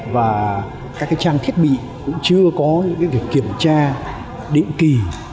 và các cái trang thiết bị cũng chưa có những cái việc kiểm tra định kỳ